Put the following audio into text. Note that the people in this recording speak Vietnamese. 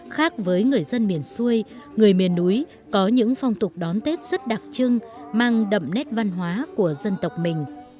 khác với người dân miền xuôi người miền núi có những phong tục đón tết rất đặc trưng mang đậm nét văn hóa của dân tộc mình